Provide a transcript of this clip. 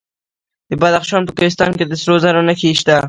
د بدخشان په کوهستان کې د سرو زرو نښې شته.